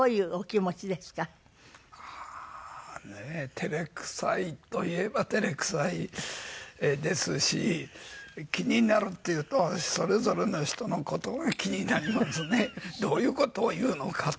照れくさいといえば照れくさいですし気になるっていうとそれぞれの人の事が気になりますねどういう事を言うのかと。